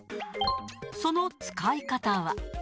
その使い方は。